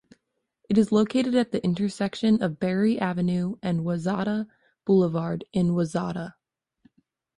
It is located at the intersection of Barry Avenue and Wayzata Boulevard in Wayzata.